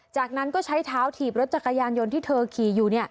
จากนั้นก็ใช้เท้าถีบรถจักรยานยนต์ที่เธอขี่อยู่